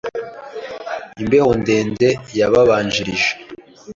Imbeho ndende yababanjirije.